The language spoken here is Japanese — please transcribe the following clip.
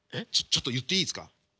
ちょっと言っていいすか？